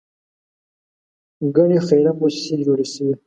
ګڼې خیریه موسسې جوړې شوې.